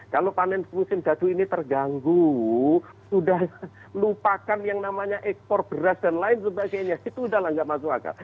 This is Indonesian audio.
kalau panen musim gadu ini terganggu sudah lupakan yang namanya ekspor beras dan lain sebagainya itu sudah lah nggak masuk akal